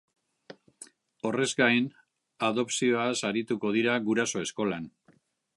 Horrez gain, adopzioaz arituko dira guraso eskolan.